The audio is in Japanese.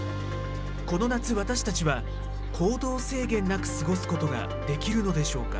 この夏、私たちは行動制限なく過ごすことができるのでしょうか。